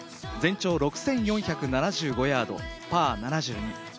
全長６４７５ヤードパー７２。